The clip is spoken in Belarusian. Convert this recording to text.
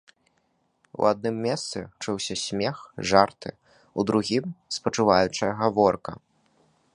У адным месцы чуўся смех, жарты, у другім спачуваючая гаворка.